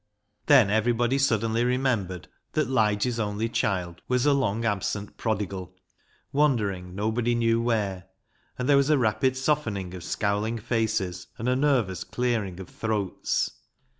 Then everybody suddenly remembered that Lige's only child was a long absent prodigal, wandering nobody knew where, and there was a rapid softening of scowling faces and a nervous clearing of throats.